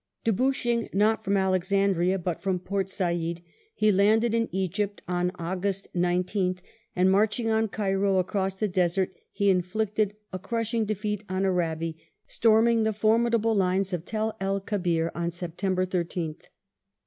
Debouch ing not from Alexandria but from Port Said, he landed in Egypt on August 19th, and marching on Cairo across the desert, he in flicted a crushing defeat on Arabi, storming the formidable lines of Tel el Kebir on September 13th.